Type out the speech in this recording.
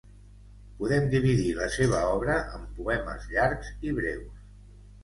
Podem dividir la seva obra en poemes llargs i breus.